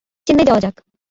চেন্নাই যাওয়া যাক।